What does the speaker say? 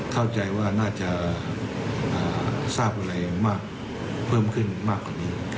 เข้าใจว่าน่าจะทราบอะไรมากเพิ่มขึ้นมากกว่านี้